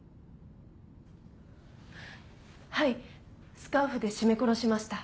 はいスカーフで絞め殺しました。